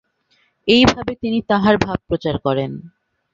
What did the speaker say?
এইভাবে তিনি তাঁহার ভাব প্রচার করেন।